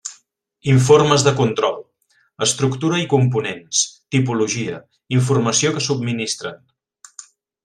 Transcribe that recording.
Informes de control: estructura i components, tipologia, informació que subministren.